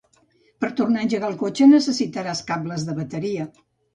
Per tornar a engegar el cotxe necessitaràs cables de bateria.